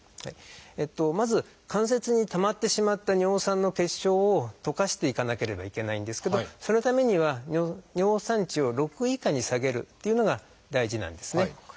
まず関節にたまってしまった尿酸の結晶を溶かしていかなければいけないんですけどそのためには尿酸値を６以下に下げるっていうのが大事なんですね。